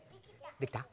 できた？